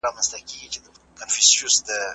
غيبت کول د مړي غوښه خوړل دي.